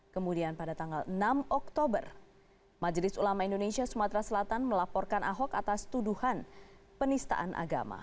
kemudian pada tanggal enam oktober majelis ulama indonesia sumatera selatan melaporkan ahok atas tuduhan penistaan agama